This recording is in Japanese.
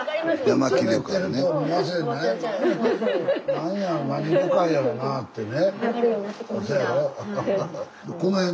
何や何旅館やろなってね。